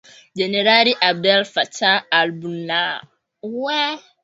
Jenerali Abdel Fattah al Burhan